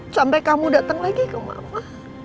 sampai kamu datang lagi ke mama